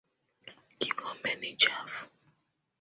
Kikombe ni chafu.